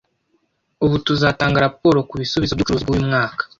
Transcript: Ubu tuzatanga raporo kubisubizo byubucuruzi bwuyu mwaka.